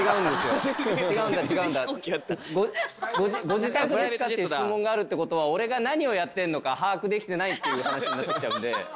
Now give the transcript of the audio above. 「ご自宅ですか？」っていう質問があるってことは俺が何をやってんのか把握できてないっていう話になっちゃうんで。